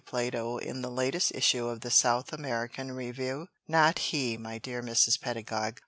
Plato in the latest issue of the South American Review? Not he, my dear Mrs. Pedagog.